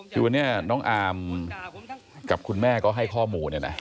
คือวันนี้น้องอามกับคุณแม่ก็ให้ข้อมูลเนี่ยนะ